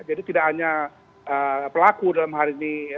jadi tidak hanya pelaku dalam hal ini